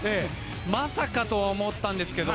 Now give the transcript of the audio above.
まさかとは思ったんですけど